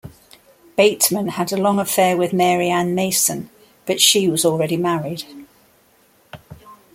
Bateman had a long affair with Mary Ann Mason, but she was already married.